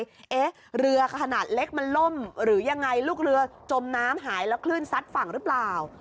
ว่าเอ๊ะเรือขนาดเล็กมันล่มหรือยังไงลูกเรือจมน้ำหายแล้วคลื่นซัดฝั่งหรือเปล่า